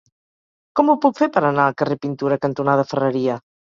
Com ho puc fer per anar al carrer Pintura cantonada Ferreria?